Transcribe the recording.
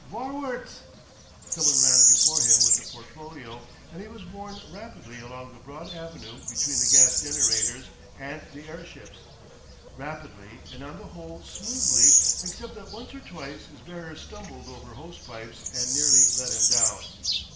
"Vorwarts!" Some one ran before him with the portfolio, and he was borne rapidly along the broad avenue between the gas generators and the airships, rapidly and on the whole smoothly except that once or twice his bearers stumbled over hose pipes and nearly let him down.